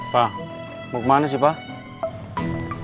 pak mau kemana sih pak